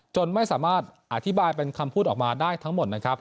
ไม่สามารถอธิบายเป็นคำพูดออกมาได้ทั้งหมดนะครับ